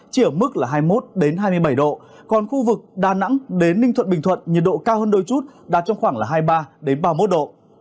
chỉ ở mức là hai mươi một hai mươi bảy độ còn khu vực đà nẵng đến ninh thuận bình thuận nhiệt độ cao hơn đôi chút đạt trong khoảng hai mươi ba ba mươi một độ